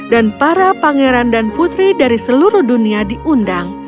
dan para pangeran dan putri dari seluruh dunia diundang